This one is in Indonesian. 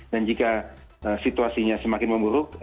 dan jika situasinya semakin memburuk